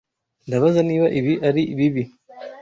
Ndabaza niba ibi ari bibi.